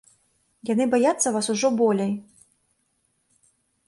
Яны баяцца вас ужо болей.